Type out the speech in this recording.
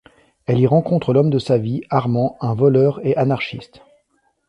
Elle y rencontre l'homme de sa vie, Armand, un voleur et un anarchiste.